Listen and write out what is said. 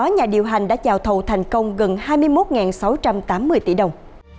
bốn nhà điều hành đã giao thầu thành công gần hai mươi một sáu trăm tám mươi tỷ đồng